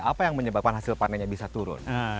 apa yang menyebabkan hasil panennya bisa turun